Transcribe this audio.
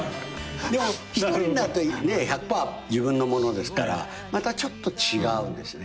でも１人になると１００パー自分のものですからまたちょっと違うんですね。